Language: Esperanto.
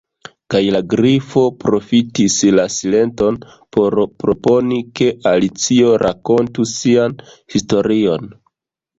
Kaj la Grifo profitis la silenton por proponi ke Alicio rakontu sian historion.